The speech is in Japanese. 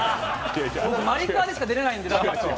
マリカーでしか出れないんですよ。